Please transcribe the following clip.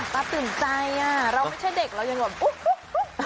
ตาตื่นใจอ่ะเราไม่ใช่เด็กเรายังแบบอุ๊